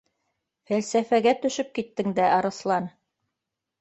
— Фәлсәфәгә төшөп киттең дә, Арыҫлан